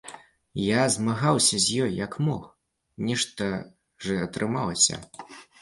Я змагаўся з ёй як мог, нешта ж атрымалася.